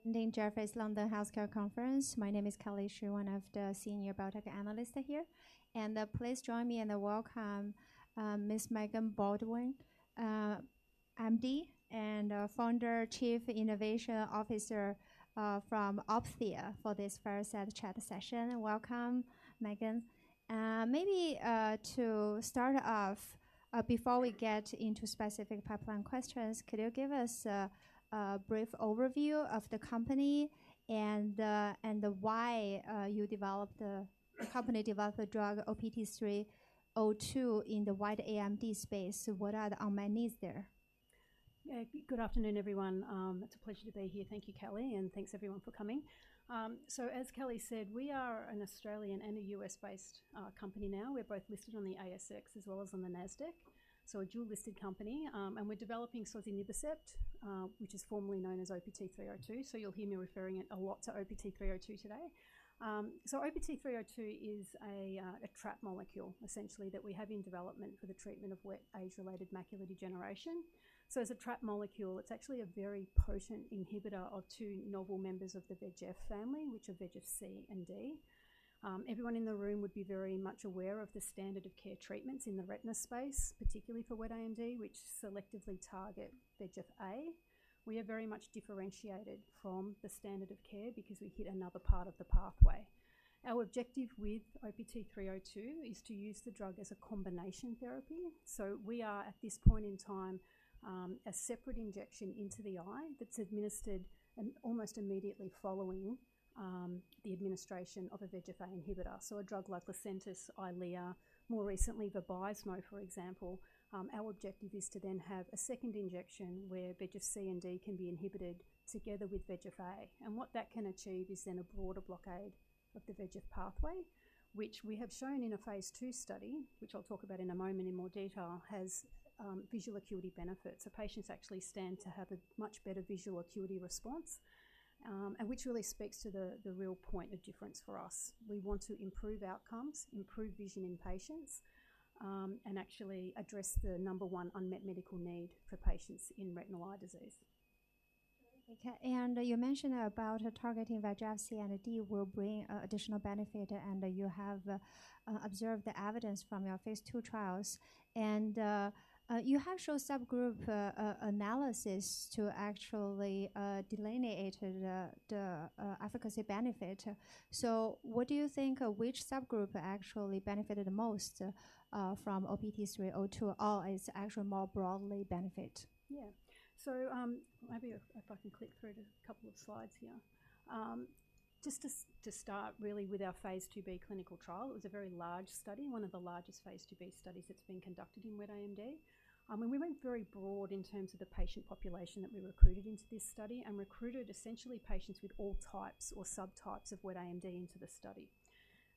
Thank you for attending Jefferies London Healthcare Conference. My name is Kelly Shi, one of the Senior Biotech Analyst here, and, please join me and welcome, Ms. Megan Baldwin, MD, and, Founder, Chief Innovation Officer, from Opthea for this fireside chat session. Welcome, Megan. Maybe, to start off, before we get into specific pipeline questions, could you give us a brief overview of the company and, and why, you developed the company developed the drug OPT-302 in the wet AMD space? What are the unmet needs there? Yeah. Good afternoon, everyone. It's a pleasure to be here. Thank you, Kelly, and thanks everyone for coming. As Kelly said, we are an Australian and a U.S.-based company now. We're both listed on the ASX as well as on the NASDAQ, so a dual-listed company. We're developing sozinibercept, which is formerly known as OPT-302. You'll hear me referring it a lot to OPT-302 today. OPT-302 is a trap molecule, essentially, that we have in development for the treatment of wet age-related macular degeneration. As a trap molecule, it's actually a very potent inhibitor of two novel members of the VEGF family, which are VEGF-C and D. Everyone in the room would be very much aware of the standard of care treatments in the retina space, particularly for wet AMD, which selectively target VEGF-A. We are very much differentiated from the standard of care because we hit another part of the pathway. Our objective with OPT-302 is to use the drug as a combination therapy. We are, at this point in time, a separate injection into the eye that's administered and almost immediately following, the administration of a VEGF-A inhibitor. A drug like Lucentis, Eylea, more recently, Vabysmo, for example. Our objective is to then have a second injection where VEGF-C and D can be inhibited together with VEGF-A. What that can achieve is then a broader blockade of the VEGF pathway, which we have shown in a phase II study, which I'll talk about in a moment in more detail, has visual acuity benefits. Patients actually stand to have a much better visual acuity response, and which really speaks to the real point of difference for us. We want to improve outcomes, improve vision in patients, and actually address the number one unmet medical need for patients in retinal eye disease. Okay, and you mentioned about targeting VEGF-C and VEGF-D will bring additional benefit, and you have observed the evidence from your phase II trials. You have shown subgroup analysis to actually delineate the efficacy benefit. What do you think, which subgroup actually benefited the most from OPT-302, or it's actually more broadly benefit? Yeah. Maybe if I can click through to a couple of slides here. Just to start really with our phase II-B clinical trial, it was a very large study, one of the largest phase II-B studies that's been conducted in wet AMD. We went very broad in terms of the patient population that we recruited into this study and recruited essentially patients with all types or subtypes of wet AMD into the study.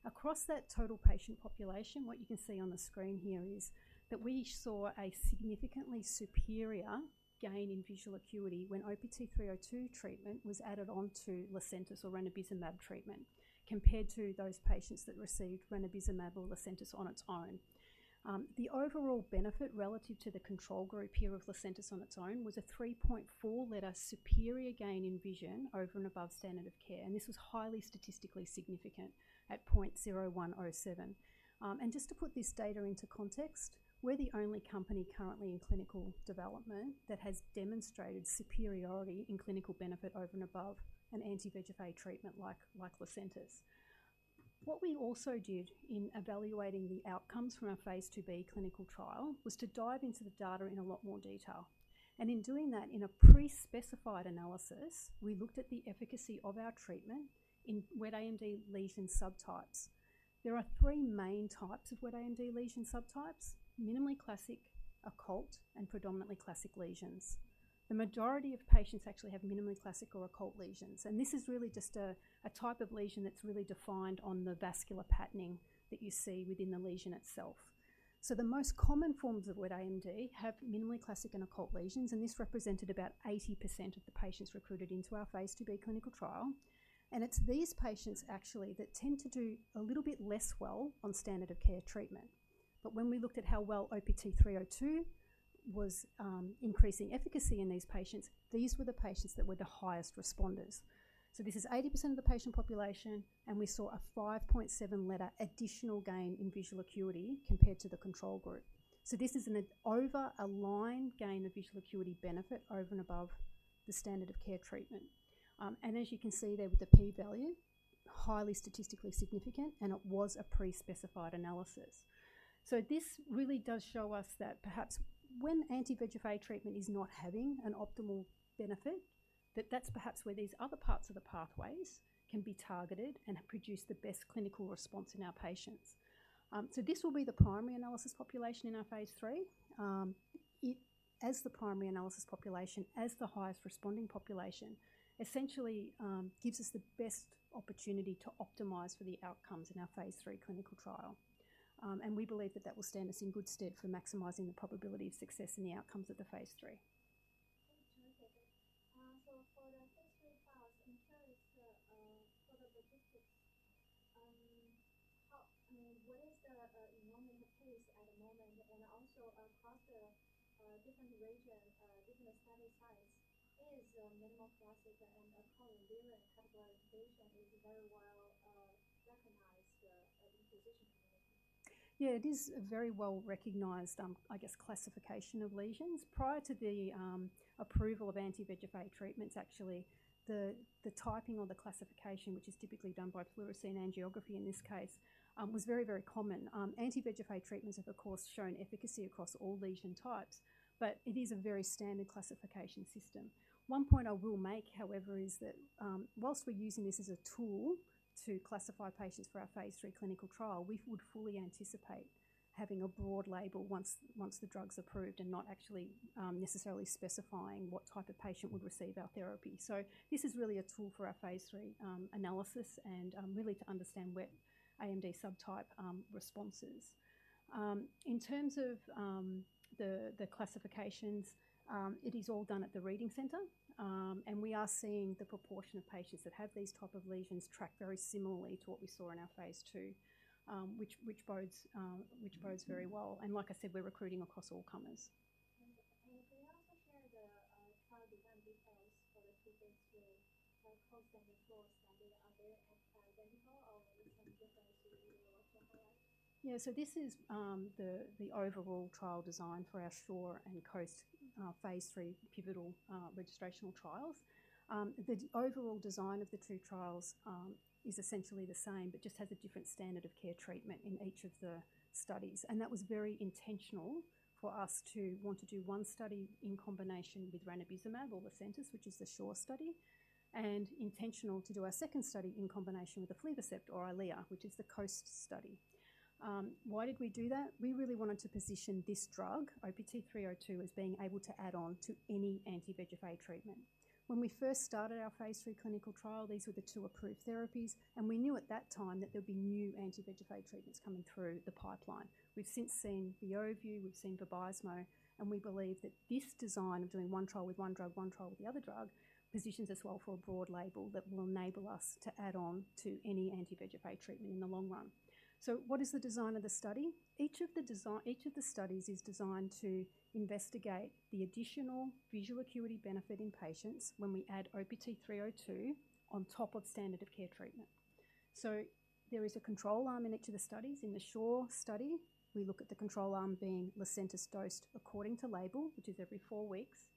Across that total patient population, what you can see on the screen here is that we saw a significantly superior gain in visual acuity when OPT-302 treatment was added on to Lucentis or ranibizumab treatment, compared to those patients that received ranibizumab or Lucentis on its own. The overall benefit relative to the control group here of Lucentis on its own was a 3.4-letter superior gain in vision over and above standard of care, and this was highly statistically significant at 0.0107. Just to put this data into context, we're the only company currently in clinical development that has demonstrated superiority in clinical benefit over and above an anti-VEGF treatment like, like Lucentis. What we also did in evaluating the outcomes from our phase II-B clinical trial was to dive into the data in a lot more detail. In doing that, in a pre-specified analysis, we looked at the efficacy of our treatment in wet AMD lesion subtypes. There are three main types of wet AMD lesion subtypes: minimally classic, occult, and predominantly classic lesions. The majority of patients actually have minimally classic or occult lesions, and this is really just a type of lesion that's really defined on the vascular patterning that you see within the lesion itself. The most common forms of wet AMD have minimally classic and occult lesions, and this represented about 80% of the patients recruited into our phase II-B clinical trial. It's these patients actually, that tend to do a little bit less well on standard of care treatment. When we looked at how well OPT-302 was increasing efficacy in these patients, these were the patients that were the highest responders. This is 80% of the patient population, and we saw a 5.7 letter additional gain in visual acuity compared to the control group. This is an over a line gain of visual acuity benefit over and above the standard of care treatment. As you can see there with the p-value, highly statistically significant, and it was a pre-specified analysis. This really does show us that perhaps when anti-VEGF-A treatment is not having an optimal benefit, that that's perhaps where these other parts of the pathways can be targeted and produce the best clinical response in our patients. This will be the primary analysis population in our phase III. As the primary analysis population, as the highest responding population, essentially, gives us the best opportunity to optimize for the outcomes in our phase III clinical trial. We believe that that will stand us in good stead for maximizing the probability of success in the outcomes of the phase III. At the moment, and also across the different regions, different study sites, is minimally classic and how enduring categorization is very well recognized by physicians? Yeah, it is a very well-recognized, I guess, classification of lesions. Prior to the approval of anti-VEGF treatments, actually, the typing or the classification, which is typically done by fluorescein angiography in this case, was very, very common. Anti-VEGF treatments have, of course, shown efficacy across all lesion types, but it is a very standard classification system. One point I will make, however, is that, while we're using this as a tool to classify patients for our phase III clinical trial, we would fully anticipate having a broad label once the drug's approved, and not actually necessarily specifying what type of patient would receive our therapy. This is really a tool for our phase III analysis, and really to understand what AMD subtype responses. In terms of the classifications, it is all done at the reading center. We are seeing the proportion of patients that have these type of lesions track very similarly to what we saw in our phase II, which bodes very well. Like I said, we're recruiting across all comers. Can you also share the trial design details for the patients in the COAST and the ShORe study? Are they identical, or are they different too? Yeah. This is the overall trial design for our ShORe and COAST phase III pivotal registrational trials. The overall design of the two trials is essentially the same, but just has a different standard of care treatment in each of the studies. That was very intentional for us to want to do one study in combination with ranibizumab or Lucentis, which is the ShORe study, and intentional to do our second study in combination with aflibercept or Eylea, which is the COAST study. Why did we do that? We really wanted to position this drug, OPT-302, as being able to add on to any anti-VEGF treatment. When we first started our phase III clinical trial, these were the two approved therapies, and we knew at that time that there'd be new anti-VEGF treatments coming through the pipeline. We've since seen the Beovu, we've seen the Vabysmo, and we believe that this design of doing one trial with one drug, one trial with the other drug, positions us well for a broad label that will enable us to add on to any anti-VEGF treatment in the long run. What is the design of the study? Each of the studies is designed to investigate the additional visual acuity benefit in patients when we add OPT-302 on top of standard of care treatment. There is a control arm in each of the studies. In the ShORe study, we look at the control arm being Lucentis dosed according to label, which is every four weeks,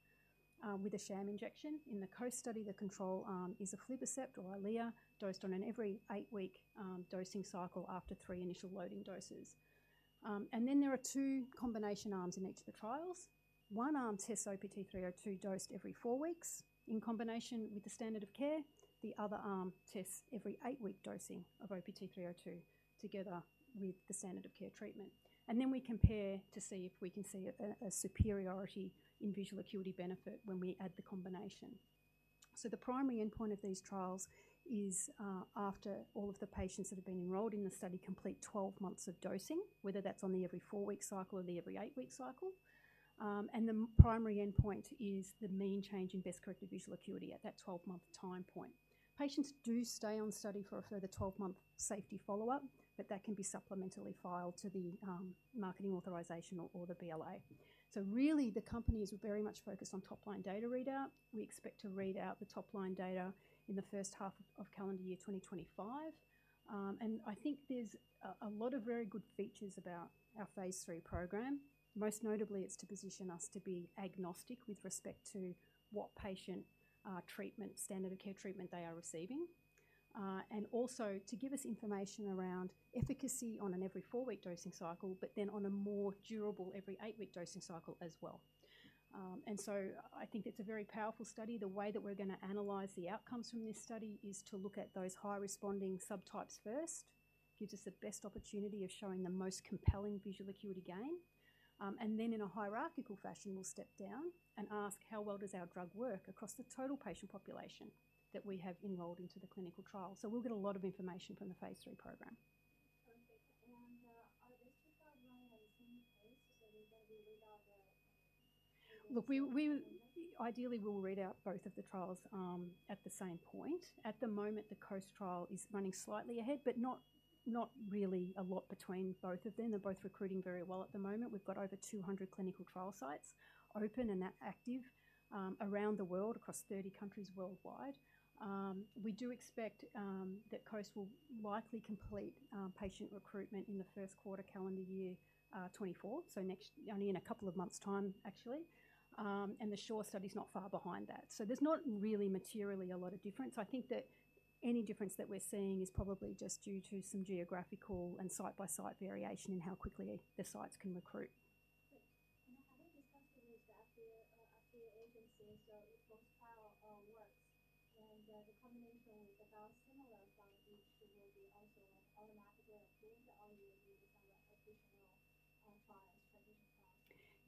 with a sham injection. In the COAST study, the control arm is aflibercept or Eylea, dosed on an every eight-week dosing cycle after three initial loading doses. There are two combination arms in each of the trials. One arm tests OPT-302 dosed every four weeks in combination with the standard of care. The other arm tests every 8-week dosing of OPT-302 together with the standard of care treatment. We compare to see if we can see a superiority in visual acuity benefit when we add the combination. The primary endpoint of these trials is after all of the patients that have been enrolled in the study complete 12 months of dosing, whether that's on the every 4-week cycle or the every 8-week cycle. The primary endpoint is the mean change in best-corrected visual acuity at that 12-month time point. Patients do stay on study for a further 12-month safety follow-up, but that can be supplementally filed to the marketing authorization or the BLA. Really, the company is very much focused on top-line data readout. We expect to read out the top-line data in the first half of calendar year 2025. I think there's a lot of very good features about our phase III program. Most notably, it's to position us to be agnostic with respect to what patient treatment standard of care treatment they are receiving. Also to give us information around efficacy on an every 4-week dosing cycle, but then on a more durable every 8-week dosing cycle as well. I think it's a very powerful study. The way that we're gonna analyze the outcomes from this study is to look at those high-responding subtypes first. Gives us the best opportunity of showing the most compelling visual acuity gain. Then in a hierarchical fashion, we'll step down and ask: How well does our drug work across the total patient population that we have enrolled into the clinical trial? We'll get a lot of information from the phase III program. Okay. Are these two trials running at the same pace, so they're gonna be read out? Look, we ideally, we'll read out both of the trials at the same point. At the moment, the COAST trial is running slightly ahead, but not really a lot between both of them. They're both recruiting very well at the moment. We've got over 200 clinical trial sites open and active around the world, across 30 countries worldwide. We do expect that COAST will likely complete patient recruitment in the first quarter, calendar year 2024. Next, only in a couple of months' time, actually. The ShORe study is not far behind that. There's not really materially a lot of difference. I think that any difference that we're seeing is probably just due to some geographical and site-by-site variation in how quickly the sites can recruit.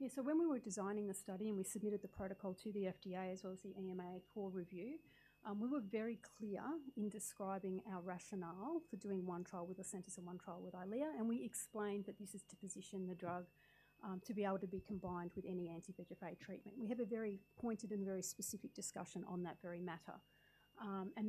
Okay. I was just asking, is that the after your BLA, so if those trials works, then the combination with a similar drug, which will be also automatically approved, or you, you do some additional filings for this trial? Yeah. When we were designing the study, and we submitted the protocol to the FDA as well as the EMA for review, we were very clear in describing our rationale for doing one trial with Lucentis and one trial with Eylea, and we explained that this is to position the drug to be able to be combined with any anti-VEGF treatment. We have a very pointed and very specific discussion on that very matter.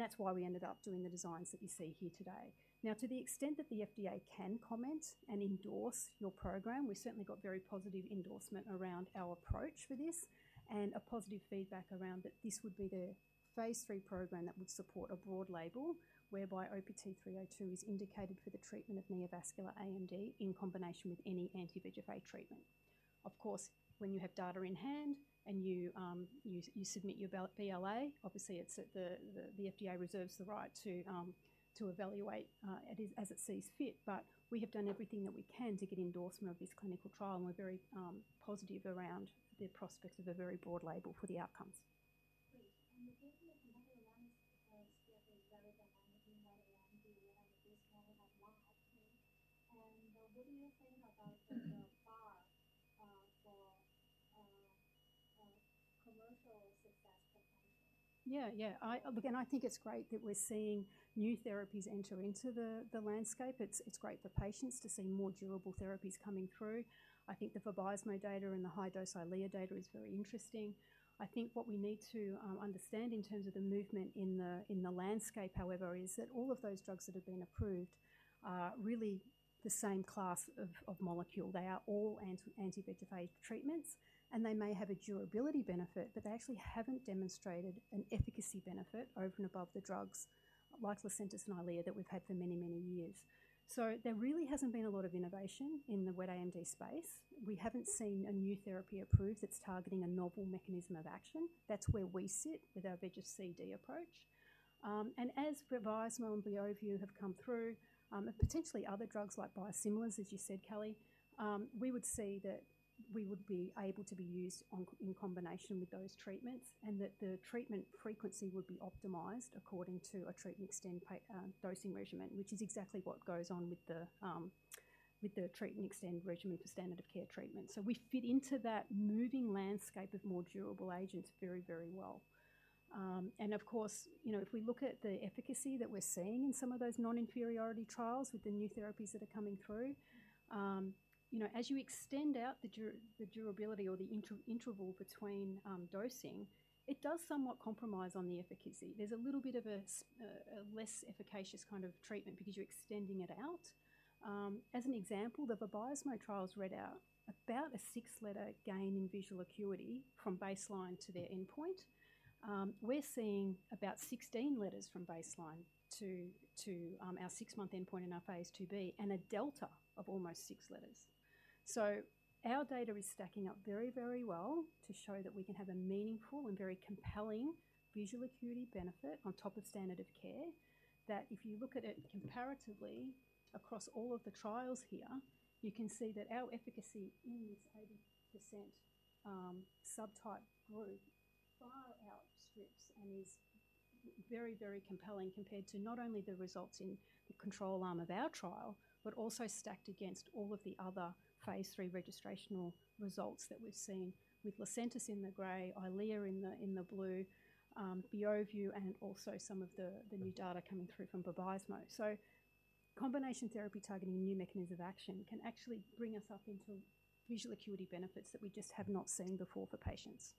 That's why we ended up doing the designs that you see here today. Now, to the extent that the FDA can comment and endorse your program, we certainly got very positive endorsement around our approach for this, and a positive feedback around that this would be the phase III program that would support a broad label, whereby OPT-302 is indicated for the treatment of neovascular AMD in combination with any anti-VEGF treatment. Of course, when you have data in hand and you submit your BLA, obviously the FDA reserves the right to evaluate it as it sees fit. We have done everything that we can to get endorsement of this clinical trial, and we're very positive around the prospect of a very broad label for the outcomes. Great. The data rather than anything that around you and this one have not had seen. What do you think about the bar for commercial success potential? Yeah, yeah. Again, I think it's great that we're seeing new therapies enter into the landscape. It's great for patients to see more durable therapies coming through. I think the Vabysmo data and the high-dose Eylea data is very interesting. I think what we need to understand in terms of the movement in the landscape, however, is that all of those drugs that have been approved are really the same class of molecule. They are all anti-VEGF treatments, and they may have a durability benefit, but they actually haven't demonstrated an efficacy benefit over and above the drugs like Lucentis and Eylea that we've had for many, many years. There really hasn't been a lot of innovation in the wet AMD space. We haven't seen a new therapy approved that's targeting a novel mechanism of action. That's where we sit with our VEGF-C/D approach. As Vabysmo and Beovu have come through, and potentially other drugs like biosimilars, as you said, Kelly, we would see that we would be able to be used on, in combination with those treatments, and that the treatment frequency would be optimized according to a treat and extend dosing regimen, which is exactly what goes on with the treat and extend regimen for standard of care treatment. We fit into that moving landscape of more durable agents very, very well. Of course, you know, if we look at the efficacy that we're seeing in some of those non-inferiority trials with the new therapies that are coming through, you know, as you extend out the durability or the interval between dosing, it does somewhat compromise on the efficacy. There's a little bit of a less efficacious kind of treatment because you're extending it out. As an example, the Vabysmo trials read out about a 6-letter gain in visual acuity from baseline to their endpoint. We're seeing about 16 letters from baseline to our 6-month endpoint in our phase II-B, and a delta of almost 6 letters. Our data is stacking up very, very well to show that we can have a meaningful and very compelling visual acuity benefit on top of standard of care. That if you look at it comparatively across all of the trials here, you can see that our efficacy in this 80% subtype group far outstrips and is very, very compelling compared to not only the results in the control arm of our trial, but also stacked against all of the other phase III registrational results that we've seen with Lucentis in the gray, Eylea in the blue, Beovu, and also some of the new data coming through from Vabysmo. Combination therapy targeting a new mechanism of action can actually bring us up into visual acuity benefits that we just have not seen before for patients.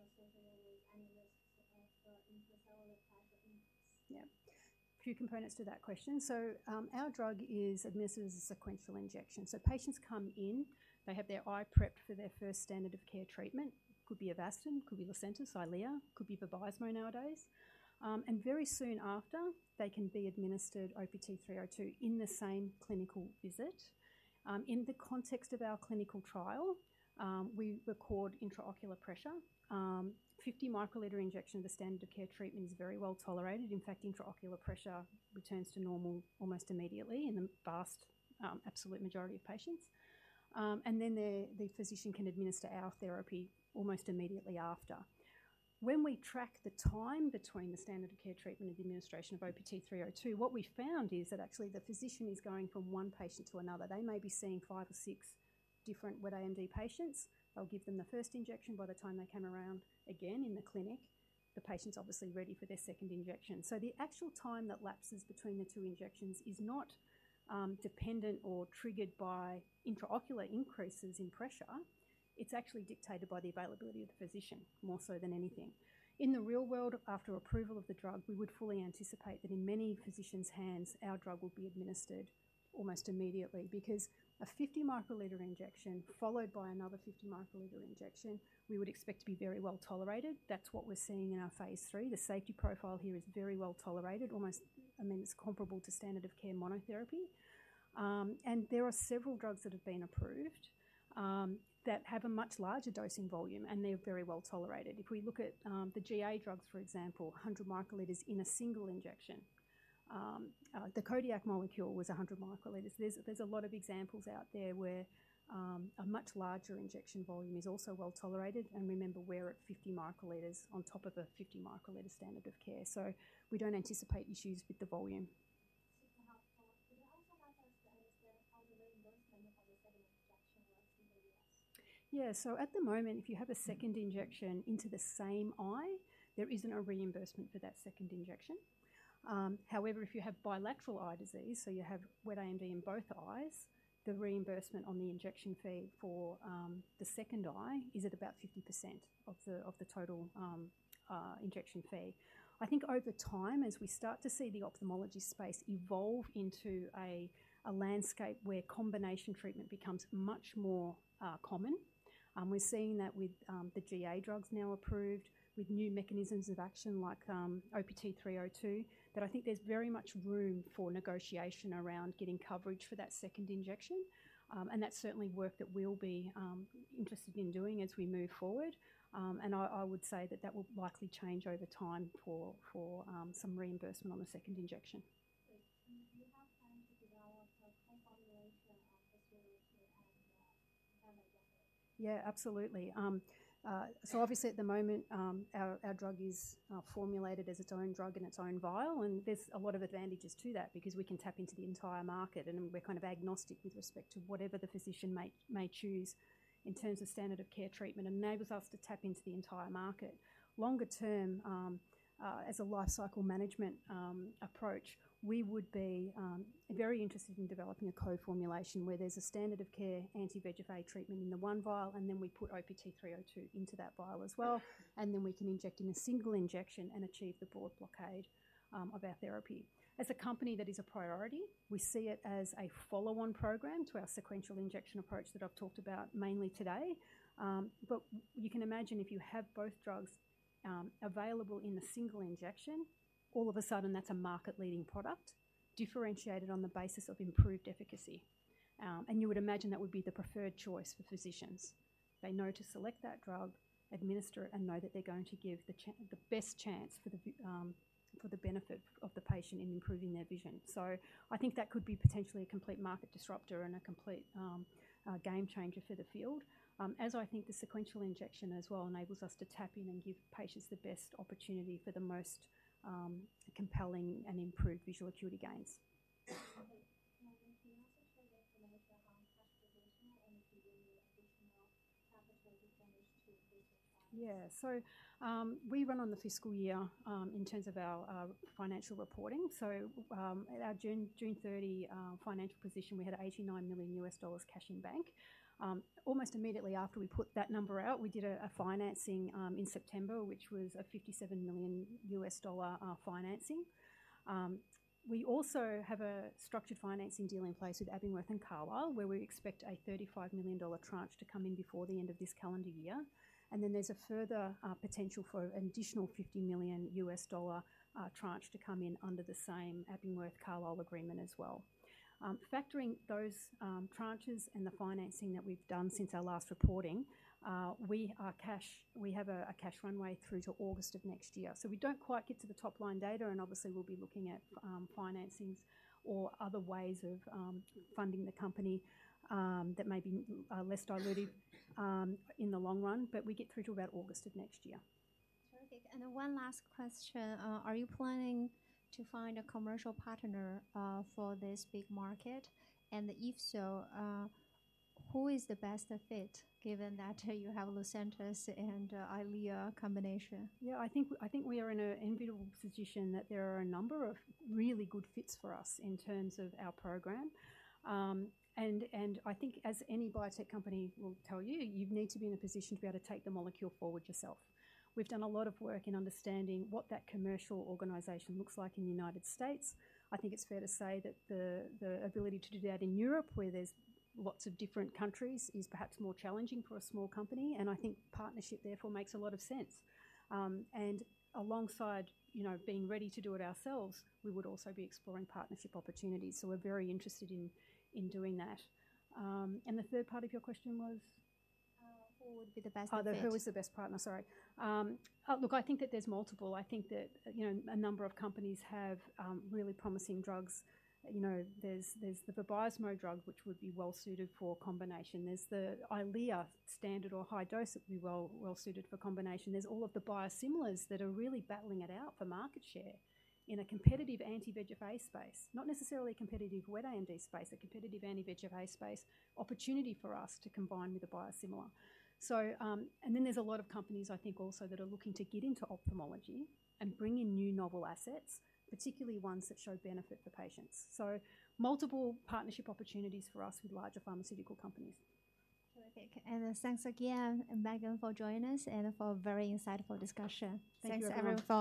Great. Can you also walk us through the logistic perspective of how the second injection of OPT-302 is performed in clinical practice? What is the typical wait time after the first injection, and does this actually add more work to physicians? If the second injection is associated with any risks of intraocular pressure increase? Yeah. A few components to that question. Our drug is administered as a sequential injection. Patients come in, they have their eye prepped for their first standard of care treatment. Could be Avastin, could be Lucentis, Eylea, could be Vabysmo nowadays. Very soon after, they can be administered OPT-302 in the same clinical visit. In the context of our clinical trial, we record intraocular pressure. 50 μL injection, the standard of care treatment, is very well tolerated. In fact, intraocular pressure returns to normal almost immediately in the vast, absolute majority of patients. Then the physician can administer our therapy almost immediately after. When we track the time between the standard of care treatment and the administration of OPT-302, what we found is that actually the physician is going from one patient to another. They may be seeing five or six different wet AMD patients. They'll give them the first injection. By the time they come around again in the clinic, the patient's obviously ready for their second injection. The actual time that lapses between the two injections is not dependent or triggered by intraocular increases in pressure. It's actually dictated by the availability of the physician, more so than anything. In the real world, after approval of the drug, we would fully anticipate that in many physicians' hands, our drug will be administered almost immediately. Because a 50 μL injection followed by another 50 μL injection, we would expect to be very well tolerated. That's what we're seeing in our phase III. The safety profile here is very well tolerated, almost, I mean, it's comparable to standard of care monotherapy. There are several drugs that have been approved that have a much larger dosing volume, and they're very well tolerated. If we look at the GA drugs, for example, 100 μL in a single injection. The Kodiak molecule was 100 μL. There's a lot of examples out there where a much larger injection volume is also well-tolerated, and remember, we're at 50 μL on top of a 50 μL standard of care. We don't anticipate issues with the volume. Super helpful. Could you also help us understand how you make most of the second injection once in the U.S.? Yeah. At the moment, if you have a second injection into the same eye, there isn't a reimbursement for that second injection. However, if you have bilateral eye disease, so you have wet AMD in both eyes, the reimbursement on the injection fee for the second eye is at about 50% of the total injection fee. I think over time, as we start to see the ophthalmology space evolve into a landscape where combination treatment becomes much more common, we're seeing that with the GA drugs now approved, with new mechanisms of action like OPT-302. I think there's very much room for negotiation around getting coverage for that second injection. That's certainly work that we'll be interested in doing as we move forward. I would say that will likely change over time for some reimbursement on the second injection. Do you have time to develop a co-formulation on this combination, and how does it work? Yeah, absolutely. Obviously, at the moment, our drug is formulated as its own drug in its own vial, and there's a lot of advantages to that because we can tap into the entire market, and we're kind of agnostic with respect to whatever the physician may choose in terms of standard of care treatment, enables us to tap into the entire market. Longer term, as a lifecycle management approach, we would be very interested in developing a co-formulation where there's a standard of care anti-VEGF treatment in the one vial, and then we put OPT-302 into that vial as well, and then we can inject in a single injection and achieve the broad blockade of our therapy. As a company, that is a priority. We see it as a follow-on program to our sequential injection approach that I've talked about mainly today. You can imagine if you have both drugs available in a single injection, all of a sudden, that's a market-leading product, differentiated on the basis of improved efficacy. You would imagine that would be the preferred choice for physicians. They know to select that drug, administer it, and know that they're going to give the best chance for the benefit of the patient in improving their vision. I think that could be potentially a complete market disruptor and a complete game changer for the field. As I think the sequential injection as well enables us to tap in and give patients the best opportunity for the most compelling and improved visual acuity gains. Can you also share with me the capitalization and if you need additional capital to finish it? Yeah. We run on the fiscal year in terms of our financial reporting. At our June 30 financial position, we had $89 million cash in bank. Almost immediately after we put that number out, we did a financing in September, which was a $57 million financing. We also have a structured financing deal in place with Abingworth and Carlyle, where we expect a $35 million tranche to come in before the end of this calendar year. Then there's a further potential for an additional $50 million tranche to come in under the same Abingworth and Carlyle agreement as well. Factoring those tranches and the financing that we've done since our last reporting, we have a cash runway through to August of next year. We don't quite get to the top-line data, and obviously, we'll be looking at financings or other ways of funding the company that may be less dilutive in the long run, but we get through to about August of next year. Terrific. Then one last question. Are you planning to find a commercial partner for this big market? If so, who is the best fit, given that you have Lucentis and Eylea combination? Yeah, I think, I think we are in an enviable position that there are a number of really good fits for us in terms of our program. I think as any biotech company will tell you, you need to be in a position to be able to take the molecule forward yourself. We've done a lot of work in understanding what that commercial organization looks like in the United States. I think it's fair to say that the, the ability to do that in Europe, where there's lots of different countries, is perhaps more challenging for a small company, and I think partnership, therefore, makes a lot of sense. Alongside, you know, being ready to do it ourselves, we would also be exploring partnership opportunities. We're very interested in, in doing that. The third part of your question was? Who would be the best fit? Oh, then who is the best partner? Sorry. Look, I think that there's multiple. I think that, you know, a number of companies have really promising drugs. You know, there's, there's the Vabysmo drug, which would be well suited for combination. There's the Eylea, standard or high dose, that would be well, well suited for combination. There's all of the biosimilars that are really battling it out for market share in a competitive anti-VEGF space. Not necessarily a competitive wet AMD space, a competitive anti-VEGF space. Opportunity for us to combine with a biosimilar. Then there's a lot of companies, I think, also that are looking to get into ophthalmology and bring in new novel assets, particularly ones that show benefit for patients. Multiple partnership opportunities for us with larger pharmaceutical companies. Terrific. Thanks again, Megan, for joining us and for a very insightful discussion. Thank you, everyone. Thanks, everyone for-